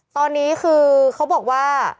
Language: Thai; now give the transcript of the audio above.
ตอนนี้คือเขาบอกว่า